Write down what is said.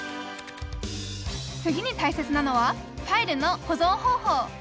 次に大切なのはファイルの保存方法。